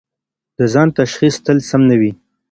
د ځان تشخیص تل سم نه وي.